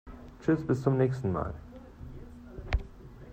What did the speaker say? Tschüss, bis zum nächsen Mal!